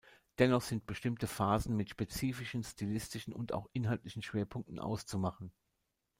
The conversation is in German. Dennoch sind bestimmte Phasen mit spezifischen stilistischen und auch inhaltlichen Schwerpunkten auszumachen.